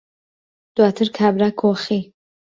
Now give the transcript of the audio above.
دواتر کابرا کۆخی